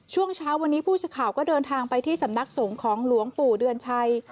ช่วงเช้าวันนี้ผู้สื่อข่าวก็เดินทางไปที่สำนักสงฆ์ของหลวงปู่เดือนชัย